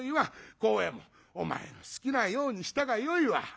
幸右衛門お前の好きなようにしたがよいわ。